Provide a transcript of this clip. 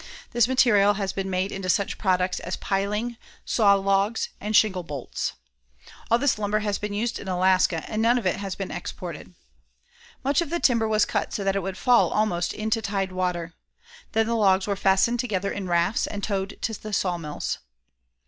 This material has been made into such products as piling, saw logs and shingle bolts. All this lumber has been used in Alaska and none of it has been exported. Much of the timber was cut so that it would fall almost into tide water. Then the logs were fastened together in rafts and towed to the sawmills.